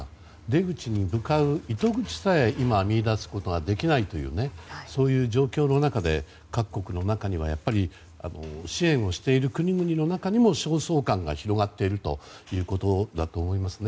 出口に向かう糸口さえ今、見いだすことができないそういう状況の中で各国の中でも支援をしている国々の中にも焦燥感が広がっているということだと思います。